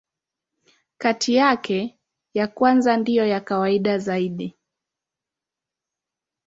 Kati yake, ya kwanza ndiyo ya kawaida zaidi.